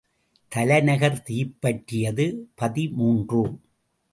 தலைநகர் தீப்பற்றியது பதிமூன்று .